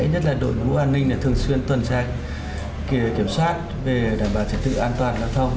nhất là đội ngũ an ninh thường xuyên tuần tra kiểm soát về đảm bảo trật tự an toàn giao thông